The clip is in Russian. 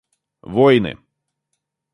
войны